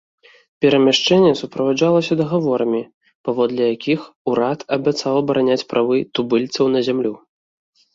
Перамяшчэнне суправаджалася дагаворамі, паводле якіх урад абяцаў абараняць правы тубыльцаў на зямлю.